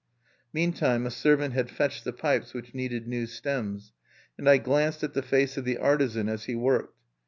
Meantime a servant had fetched the pipes which needed new stems; and I glanced at the face of the artisan as he worked.